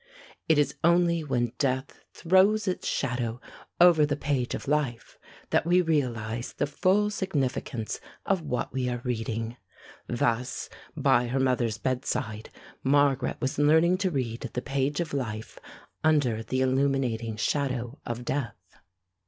It is only when death throws its shadow over the page of life that we realize the full significance of what we are reading. Thus, by her mother's bedside, Margaret was learning to read the page of life under the illuminating shadow of death.